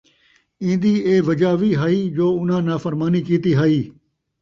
اِیندی ایہ وجہ وی ہئی جو انھاں نافرمانی کِیتی ہئی۔